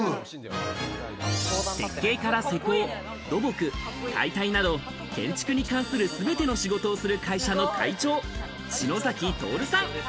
設計から施工、土木、解体など建築に関する全ての仕事をする会社の会長・篠崎透さん。